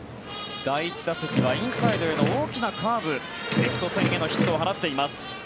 第１打席はインサイドへの大きなカーブレフト線へのヒットを放っています。